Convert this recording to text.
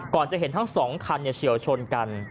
จะเห็นทั้งสองคันเฉียวชนกัน